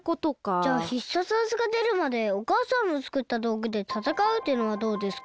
じゃあ必殺技がでるまでおかあさんのつくったどうぐでたたかうってのはどうですか？